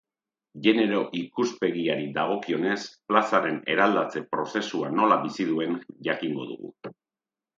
Genero ikuspegiari dagokionez, plazaren eraldatze prozesua nola bizi duen jakingo dugu.